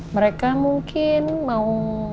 mereka mungkin mau